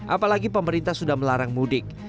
apalagi pemerintah sudah melarang mudik